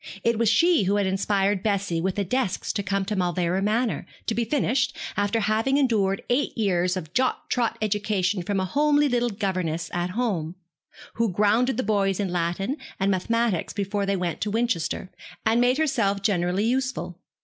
It was she who had inspired Bessie with the desire to come to Mauleverer Manor, to be finished, after having endured eight years of jog trot education from a homely little governess at home who grounded the boys in Latin and mathematics before they went to Winchester, and made herself generally useful.